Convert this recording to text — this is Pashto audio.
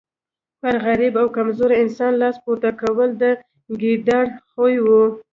پر غریب او کمزوري انسان لاس پورته کول د ګیدړ خوی وو.